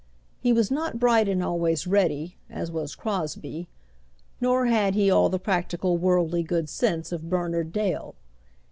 He was not bright and always ready, as was Crosbie, nor had he all the practical worldly good sense of Bernard Dale.